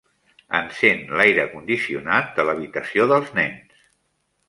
Encén l'aire condicionat de l'habitació dels nens.